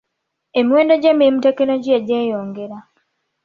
Emiwendo gy'emirimu mu tekinologiya gyeyongera.